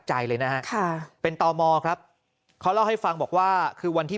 ใจเลยนะฮะค่ะเป็นตมครับเขาเล่าให้ฟังบอกว่าคือวันที่